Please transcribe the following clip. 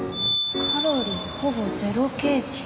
「カロリーほぼ０ケーキ」。